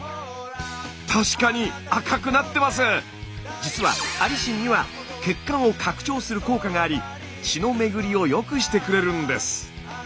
実はアリシンには血管を拡張する効果があり血の巡りを良くしてくれるんです。